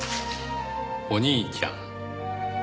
お兄ちゃん。